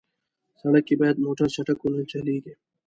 سړک کې باید موټر چټک ونه چلېږي.